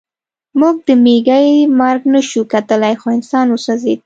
موږ د مېږي مرګ نشو کتلی خو انسان وسوځېد